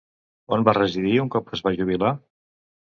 On va residir un cop es va jubilar?